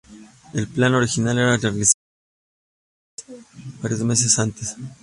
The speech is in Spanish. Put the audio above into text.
El plan original era realizar el ataque varios meses antes.